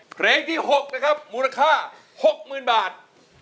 เพลงที่๖นะครับมูลค่า๖๐๐๐บาท